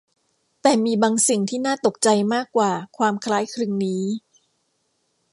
แต่มีบางสิ่งที่น่าตกใจมากกว่าความคล้ายคลึงนี้